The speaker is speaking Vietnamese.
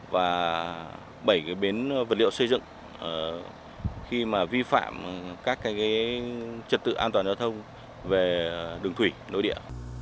và bảy bến vật liệu xây dựng khi mà vi phạm các trật tự an toàn giao thông về đường thủy nội địa